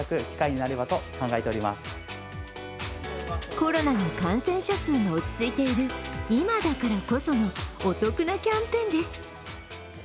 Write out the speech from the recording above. コロナの感染者数が落ち着いている今だからこそのお得なキャンペーンです。